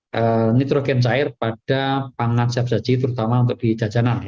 menggunakan nitrogen cair pada pangan siap saji terutama untuk dijajanan